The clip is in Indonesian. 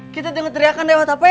kita dengar teriakan dari mana